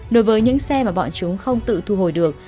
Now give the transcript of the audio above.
đối với những xe mà bọn chúng không tự thu hồi được